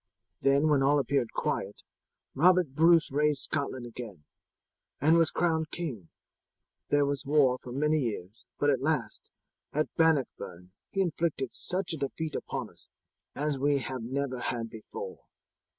Then when all appeared quiet, Robert Bruce raised Scotland again, and was crowned king. There was war for many years, but at last, at Bannockburn he inflicted such a defeat upon us as we have never had before.